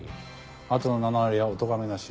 あとの７割はおとがめなし。